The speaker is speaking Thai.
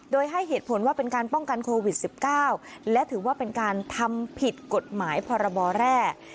โดยให้เหตุผลว่าเป็นการป้องกันโควิด๑๙และถือว่าเป็นการทำผิดกฎหมายพรบแร่